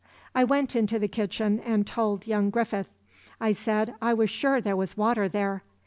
I went into the kitchen and told young Griffith. I said I was sure there was water there.